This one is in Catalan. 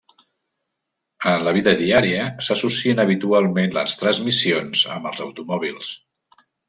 En la vida diària, s'associen habitualment les transmissions amb els automòbils.